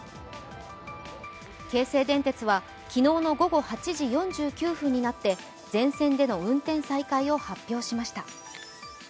京成電鉄は昨日の午後８時４９分になって全線での運転再開を発表しました。